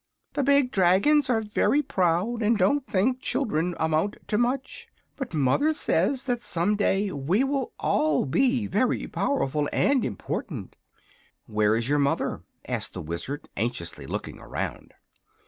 "The big dragons are very proud, and don't think children amount to much; but mother says that some day we will all be very powerful and important." "Where is your mother?" asked the Wizard, anxiously looking around.